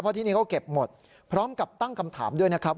ที่นี่เขาเก็บหมดพร้อมกับตั้งคำถามด้วยนะครับ